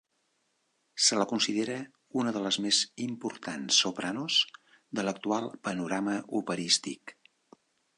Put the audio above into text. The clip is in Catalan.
Se la considera una de les més importants sopranos de l'actual panorama operístic.